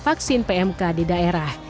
vaksin pmk di daerah